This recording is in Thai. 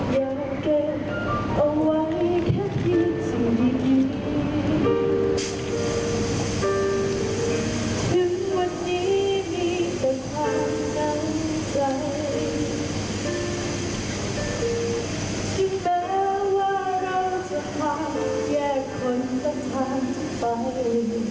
ถึงวันนี้มีแต่พรางน้ำใจที่แม้ว่าเราจะผ่านแยกคนตะทางทุกไป